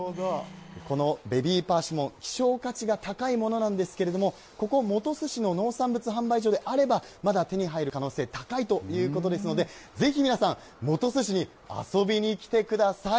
このベビーパーシモン、希少価値が高いものなんですけれども、ここ、本巣市の農産物販売所であれば、まだ手に入る可能性高いということですので、ぜひ皆さん、本巣市に遊びに来てください。